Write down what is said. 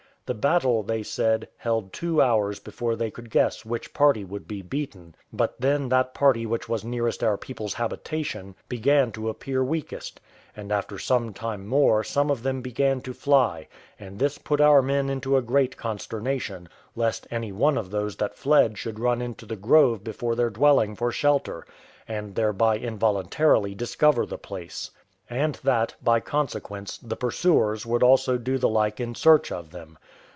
The battle, they said, held two hours before they could guess which party would be beaten; but then that party which was nearest our people's habitation began to appear weakest, and after some time more some of them began to fly; and this put our men again into a great consternation, lest any one of those that fled should run into the grove before their dwelling for shelter, and thereby involuntarily discover the place; and that, by consequence, the pursuers would also do the like in search of them.